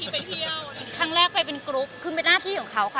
ไปเที่ยวครั้งแรกไปเป็นกรุ๊ปคือเป็นหน้าที่ของเขาค่ะ